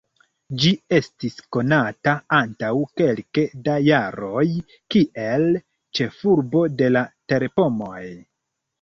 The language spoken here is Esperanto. Ĝi estis konata antaŭ kelke da jaroj kiel "ĉefurbo de la terpomoj".